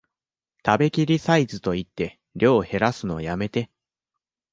食べきりサイズと言って量へらすのやめて